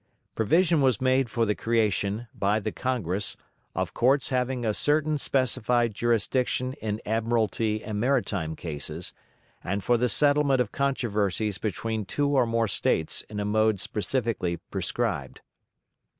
Provision was made for the creation, by the Congress, of courts having a certain specified jurisdiction in admiralty and maritime cases, and for the settlement of controversies between two or more States in a mode specifically prescribed.